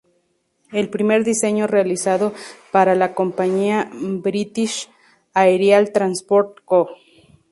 El primer diseño realizado para la compañía British Aerial Transport Co.